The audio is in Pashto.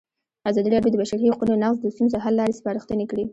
ازادي راډیو د د بشري حقونو نقض د ستونزو حل لارې سپارښتنې کړي.